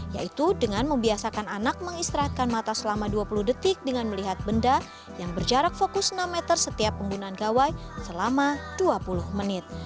yaitu dengan membiasakan anak mengistirahatkan mata selama dua puluh detik dengan melihat benda yang berjarak fokus enam meter setiap penggunaan gawai selama dua puluh menit